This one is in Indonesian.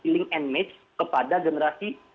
mengingat kepada generasi